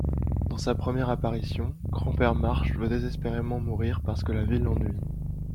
Dans sa première apparition, grand-père Marsh veut désespérément mourir parce que la vie l'ennuie.